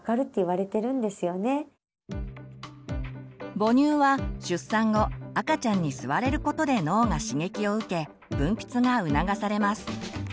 母乳は出産後赤ちゃんに吸われることで脳が刺激を受け分泌が促されます。